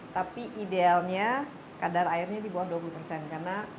tapi idealnya kadar airnya di bawah dua puluh persen